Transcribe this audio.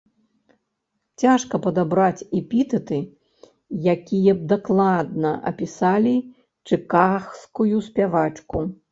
Цяжка падабраць эпітэты, якія б дакладна апісалі чыкагскую спявачку.